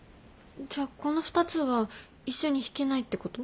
じゃこの２つは一緒に弾けないってこと？